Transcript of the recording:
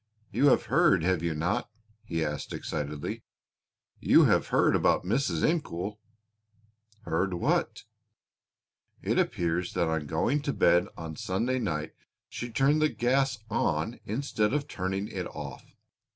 "You have heard, have you not?" he asked excitedly, "you have heard about Mrs. Incoul?" "Heard what?" "It appears that on going to bed on Sunday night she turned the gas on instead of turning it off.